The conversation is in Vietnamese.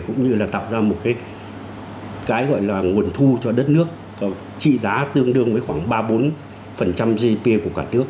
cũng như là tạo ra một cái gọi là nguồn thu cho đất nước có trị giá tương đương với khoảng ba mươi bốn gdp của cả nước